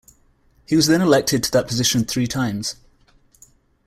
He was then elected to that position three times.